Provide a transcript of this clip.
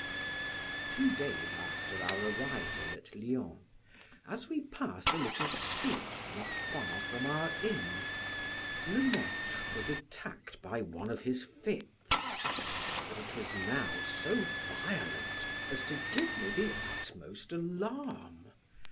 Two days after our arrival at Lyons, as we passed a little street not far from our inn, Le Maitre was attacked by one of his fits; but it was now so violent as to give me the utmost alarm.